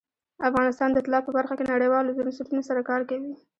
افغانستان د طلا په برخه کې نړیوالو بنسټونو سره کار کوي.